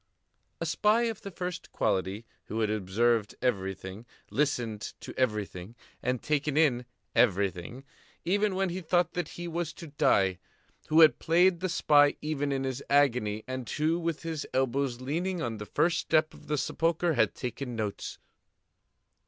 A spy of the first quality, who had observed everything, listened to everything, and taken in everything, even when he thought that he was to die; who had played the spy even in his agony, and who, with his elbows leaning on the first step of the sepulchre, had taken notes.